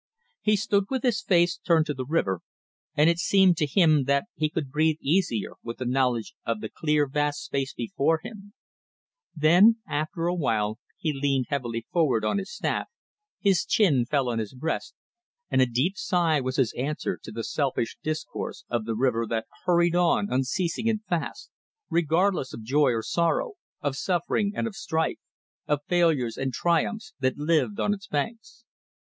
He stood with his face turned to the river, and it seemed to him that he could breathe easier with the knowledge of the clear vast space before him; then, after a while he leaned heavily forward on his staff, his chin fell on his breast, and a deep sigh was his answer to the selfish discourse of the river that hurried on unceasing and fast, regardless of joy or sorrow, of suffering and of strife, of failures and triumphs that lived on its banks.